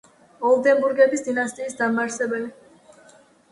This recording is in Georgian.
ოლდენბურგების დინასტიის დამაარსებელი.